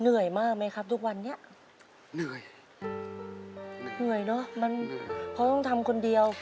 เหนื่อยมากไหมครับทุกวันนี้เหนื่อยเหนื่อยเนอะมันเพราะต้องทำคนเดียว